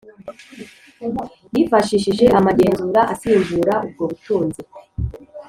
yifashishije amagenzura asimbura ubwo butunzi